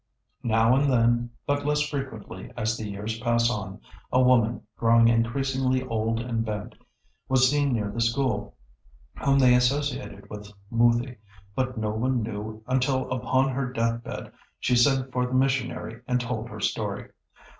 Now and then, but less frequently as the years pass on, a woman, growing increasingly old and bent, was seen near the school, whom they associated with Moothi, but no one knew until upon her deathbed she sent for the missionary and told her story.